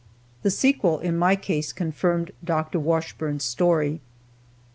The sequel in my case confirmed Dr. Washburn's story.